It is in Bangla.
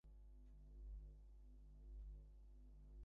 সৃষ্টি বন্ধ কর, সত্য জানিতে পারিবে।